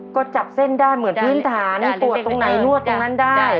ก็จับเส้นได้เหมือนพื้นฐานปวดตรงไหนนวดตรงนั้นได้